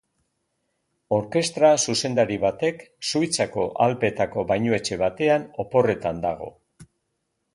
Orkestra zuzendari batek Suitzako Alpeetako bainuetxe batean oporretan dago.